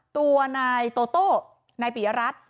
ตัวในโตโต้ในปิรัช